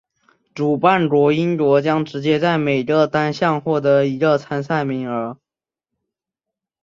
主办国英国将直接在每个单项获得一个参赛名额。